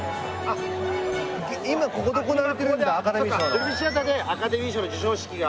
ドルビー・シアターでアカデミー賞の授賞式が。